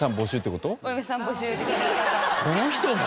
この人が！？